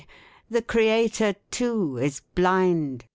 The creator too is blind.